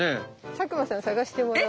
佐久間さん探してもらおう。